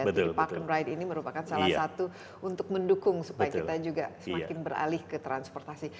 jadi park and ride ini merupakan salah satu untuk mendukung supaya kita juga semakin beralih ke transportasi